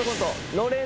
のれん